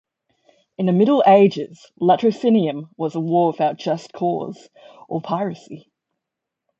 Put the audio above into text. In the Middle Ages, "latrocinium" was a war without just cause, or piracy.